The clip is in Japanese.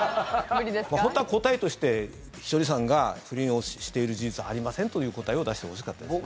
本当は答えとしてひとりさんが不倫をしている事実はありませんという答えを出してほしかったですよね。